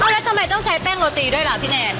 แล้วทำไมต้องใช้แป้งโรตีด้วยล่ะพี่แนน